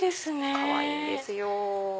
かわいいんですよ。